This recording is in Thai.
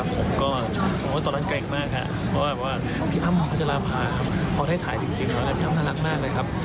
ผมก็ผมว่าตอนนั้นแกร่งมากค่ะคือพี่อ้ำอาจจะลาพาพอได้ถ่ายจริงน่ารักมากเลยครับ